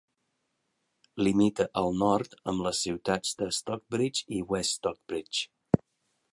Limita al nord amb les ciutats de Stockbridge i West Stockbridge.